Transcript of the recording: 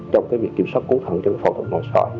trong việc kiểm soát cố thận cho phẫu thuật